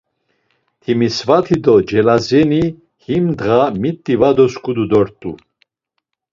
Timisvati do Celazeni him ndğa miti va dosǩudu dort̆u.